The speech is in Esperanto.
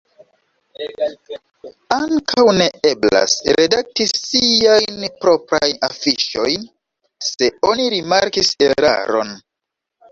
Ankaŭ ne eblas redakti siajn proprajn afiŝojn, se oni rimarkis eraron.